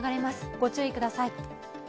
御注意ください。